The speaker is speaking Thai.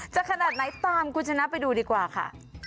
ขนาดไหนตามคุณชนะไปดูดีกว่าค่ะ